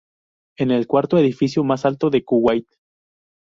Es el cuarto edificio más alto de Kuwait.